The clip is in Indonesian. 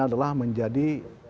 draftnya adalah menjadi